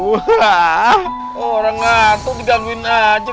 wah orang ngantuk digaluin aja